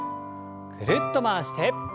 ぐるっと回して。